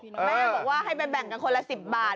แม่บอกว่าให้ไปแบ่งกันคนละ๑๐บาท